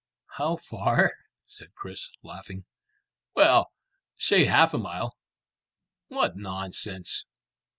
"How far?" said Chris, laughing. "Well, say half a mile." "What nonsense!"